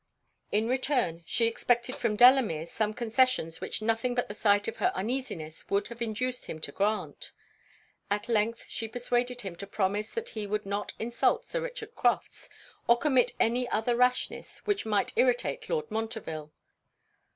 In return, she expected from Delamere some concessions which nothing but the sight of her uneasiness would have induced him to grant. At length she persuaded him to promise that he would not insult Sir Richard Crofts, or commit any other rashness which might irritate Lord Montreville.